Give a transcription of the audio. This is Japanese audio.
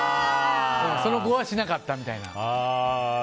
その子はしなかったみたいな。